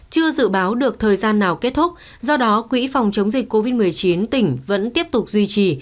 chưa dự báo được thời gian nào kết thúc do đó quỹ phòng chống dịch covid một mươi chín tỉnh vẫn tiếp tục duy trì